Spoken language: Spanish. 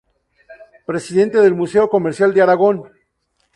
Presidente del Museo Comercial de Aragón.